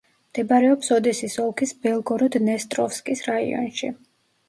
მდებარეობს ოდესის ოლქის ბელგოროდ-დნესტროვსკის რაიონში.